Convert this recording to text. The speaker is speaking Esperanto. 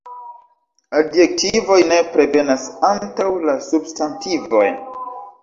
Adjektivoj nepre venas antaŭ la substantivoj.